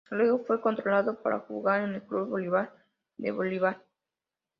Luego fue contratado para jugar en el Club Bolivar, de Bolívar.